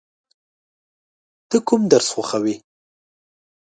ته کوم درس خوښوې؟